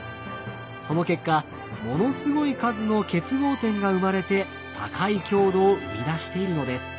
その結果ものすごい数の結合点が生まれて高い強度を生み出しているのです。